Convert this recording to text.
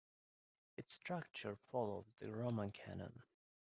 Its structure follows the Roman Canon.